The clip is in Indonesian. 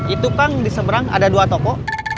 itu kang di seberang ada dua toko